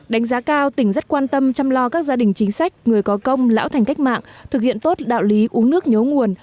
đánh giá cao tỉnh rất quan tâm chăm lo các gia đình chính sách người có công lão thành cách mạng thực hiện tốt đạo lý uống nước nhớ nguồn